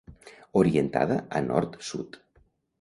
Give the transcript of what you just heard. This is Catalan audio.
Orientada a nord-sud.